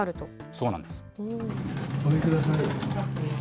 そうなんです。